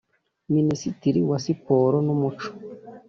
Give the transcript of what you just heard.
minisitiri wa siporo n’umuco